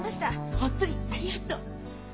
本当にありがとう！